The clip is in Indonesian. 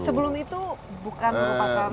sebelum itu bukan merupakan